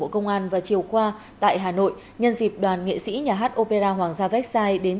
bộ công an và triều khoa tại hà nội nhân dịp đoàn nghệ sĩ nhà hát opera hoàng gia vexai đến